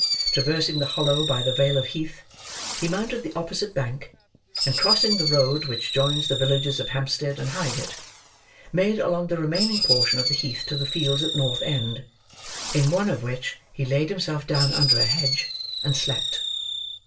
Traversing the hollow by the Vale of Heath, he mounted the opposite bank, and crossing the road which joins the villages of Hampstead and Highgate, made along the remaining portion of the heath to the fields at North End, in one of which he laid himself down under a hedge, and slept.